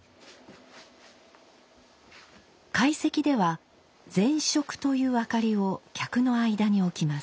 懐石では膳燭という明かりを客の間に置きます。